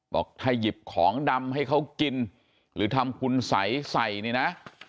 บอกถ้าหยิบของดำให้เขากินหรือทำคุณสัยใส่เนี่ยนะ